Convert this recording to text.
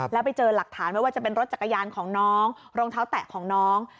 แล้วไปเจอหลักฐานไม่ว่าจะเป็นรถจักรยานของน้องรองเท้าแตะของน้อง